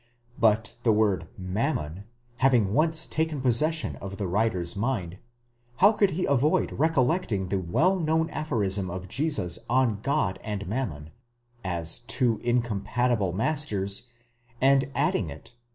But the word mammon having once taken possession of the writer's mind, how could he avoid recollecting the well known aphorism of Jesus on God and Mammon, as two incompatible masters, and adding it (v.